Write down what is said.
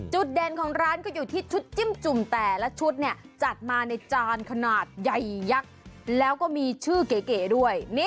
เด่นของร้านก็อยู่ที่ชุดจิ้มจุ่มแต่ละชุดเนี่ยจัดมาในจานขนาดใหญ่ยักษ์แล้วก็มีชื่อเก๋ด้วย